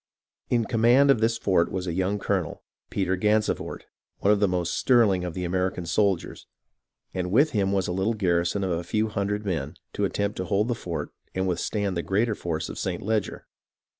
In command of this fort was a young colonel, Peter Gansevoort, one of the most sterling of the American soldiers ; and with him was a little garrison of a few hun dred men to attempt to hold the fort and withstand the greater force of St. Leger.